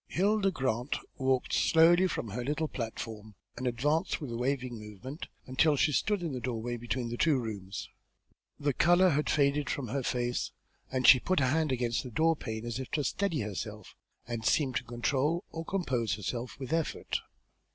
Hilda Grant walked slowly down from her little platform, and advanced, with a waving movement, until she stood in the doorway between the two rooms. The colour had all faded from her face, and she put a hand against the door pane as if to steady herself, and seemed to control or compose herself with an effort.